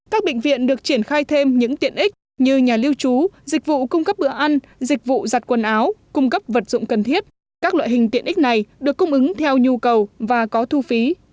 các bệnh viện được triển khai thêm những tiện ích như nhà lưu trú dịch vụ cung cấp bữa ăn dịch vụ giặt quần áo cung cấp vật dụng cần thiết các loại hình tiện ích này được cung ứng theo nhu cầu và có thu phí